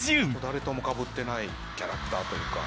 誰ともかぶってないキャラクターというか。